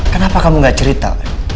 kenapa kamu gak cerita